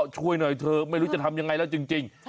ช่วยหน่อยเถอะไม่รู้จะทำยังไงแล้วจริง